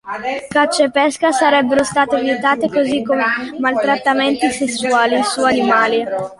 Caccia e pesca sarebbero state vietate così come "maltrattamenti sessuali" su animali.